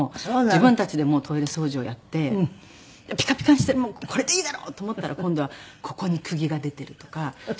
自分たちでもうトイレ掃除をやってピカピカにしてこれでいいだろうと思ったら今度はここに釘が出ているとか芝生の長さがとか。